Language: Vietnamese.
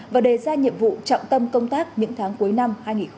và đề ra nhiệm vụ trọng tâm công tác những tháng cuối năm hai nghìn một mươi chín